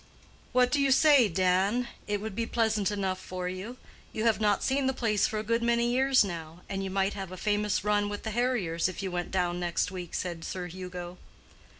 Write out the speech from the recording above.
"What do you say, Dan? It would be pleasant enough for you. You have not seen the place for a good many years now, and you might have a famous run with the harriers if you went down next week," said Sir Hugo.